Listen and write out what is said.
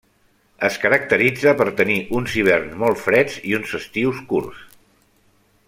Es caracteritza per tenir uns hiverns molt freds i uns estius curts.